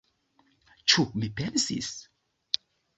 Ĉu mi pensis?